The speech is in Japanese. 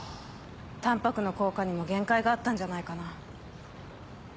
タンパクの効果にも限界があったんじゃないかな。